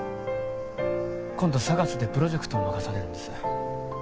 今度ＳＡＧＡＳでプロジェクトを任されるんです